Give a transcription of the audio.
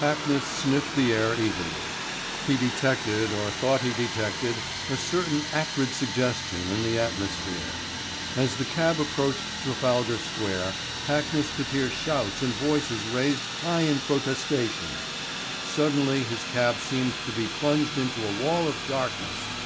Hackness sniffed the air eagerly. He detected or thought he detected a certain acrid suggestion in the atmosphere. As the cab approached Trafalgar Square Hackness could hear shouts and voices raised high in protestation. Suddenly his cab seemed to be plunged into a wall of darkness.